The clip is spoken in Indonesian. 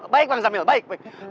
baik bang samil baik